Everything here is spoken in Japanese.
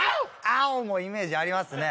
「アオ！」もイメージありますね